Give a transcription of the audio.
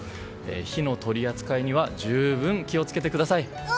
火の取り扱いには十分、気を付けてください。